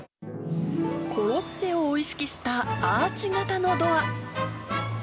コロッセオを意識したアーチ型のドア。